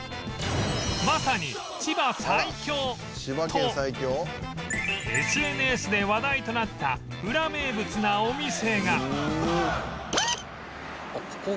と ＳＮＳ で話題となったウラ名物なお店が